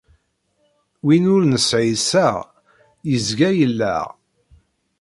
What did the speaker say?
Win ur nesɛi iseɣ, yezga yelleɣ.